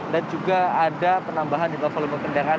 dan juga ada penambahan juga volume kendaraan